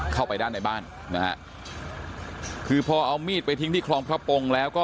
เข้าไปด้านในบ้านนะฮะคือพอเอามีดไปทิ้งที่คลองพระปงแล้วก็